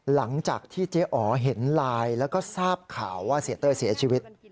หลังจากที่เจ๊อ๋อเห็นไลน์แล้วก็ทราบข่าวว่าเสียเต้ยเสียชีวิต